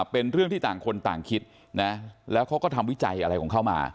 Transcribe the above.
เป็นเรื่องที่ต่างคนต่างคิดนะแล้วเขาก็ทำวิจัยอะไรของเขามา